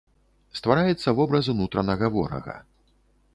Ствараецца вобраз унутранага ворага.